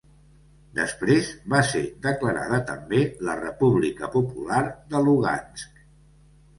Després, va ser declarada també la República Popular de Lugansk.